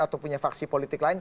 atau punya faksi politik lain